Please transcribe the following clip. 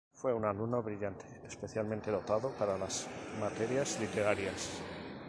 Fue un alumno brillante, especialmente dotado para las materias literarias.